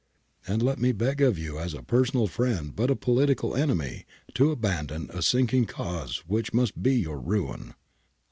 And let me beg of you as a personal friend but a political enemy to abandon a sinking cause which must be your ruin.'